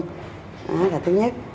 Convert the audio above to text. đó là thứ nhất